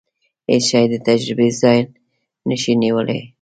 هیڅ شی د تجربې ځای نشي نیولای.